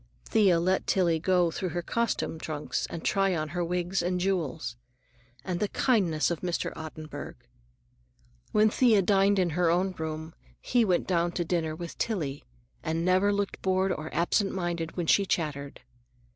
Thea let Tillie go through her costume trunks and try on her wigs and jewels. And the kindness of Mr. Ottenburg! When Thea dined in her own room, he went down to dinner with Tillie, and never looked bored or absent minded when she chattered.